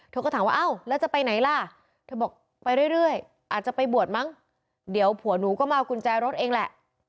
เธอก็ถามว่าอ้าวแล้วจะไปไหนล่ะเธอบอกไปเรื่อยอาจจะไปบวชมั้งเดี๋ยวผัวหนูก็มาเอากุญแจรถเองแหละ